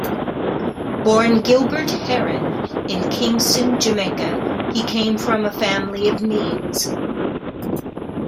Born Gilbert Heron in Kingston, Jamaica, he came from a family of means.